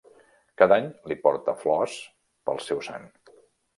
Cada any li porta flors pel seu sant.